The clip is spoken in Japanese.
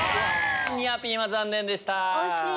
ニアピンは残念でした。